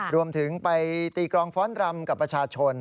รวมถึงไปตีกรองฟ้อนรำกับประชาชน